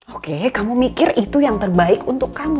oke kamu mikir itu yang terbaik untuk kamu